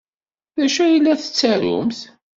D acu ay la tettarumt?